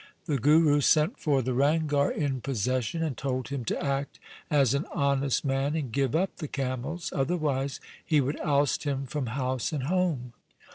The Guru sent for the Ranghar in possession, and told him to act as an honest man, and give up the camels, otherwise he would oust him from house and home.